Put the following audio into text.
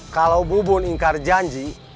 kalau bubun ingkar janji